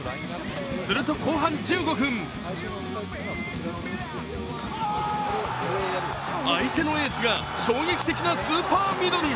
すると後半１５分相手のエースが衝撃的なスーパーミドル。